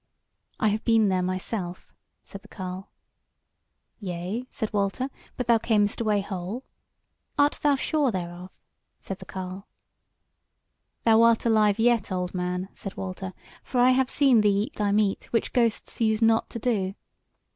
"I have been there myself," said the carle. "Yea," said Walter, "but thou camest away whole." "Art thou sure thereof?" said the carle. "Thou art alive yet, old man," said Walter, "for I have seen thee eat thy meat, which ghosts use not to do."